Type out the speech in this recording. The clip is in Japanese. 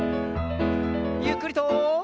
ゆっくりと。